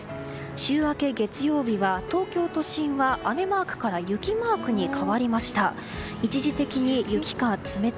週明け、月曜日は東京都心は雨マークから雪マークに変わりました。